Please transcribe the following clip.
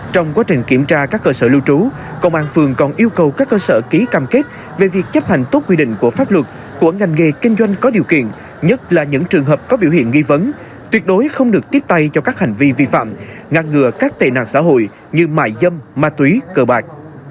trong quá trình kiểm tra các cơ sở lưu trú công an phường còn yêu cầu các cơ sở ký cam kết về việc chấp hành tốt quy định của pháp luật của ngành nghề kinh doanh có điều kiện nhất là những trường hợp có biểu hiện nghi vấn tuyệt đối không được tiếp tay cho các hành vi vi phạm ngăn ngừa các tệ nạn xã hội như mại dâm ma túy cờ bạc